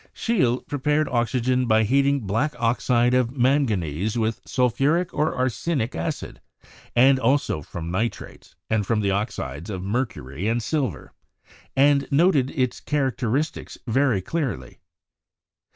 Scheele prepared oxygen by heating black oxide of manganese with sulphuric or arsenic acid, and also from nitrates, and from the oxides of mercury and silver, and noted its characteristics very clearly.